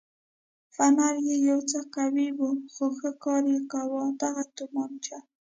فنر یې یو څه قوي و خو ښه کار یې کاوه، دغه تومانچه.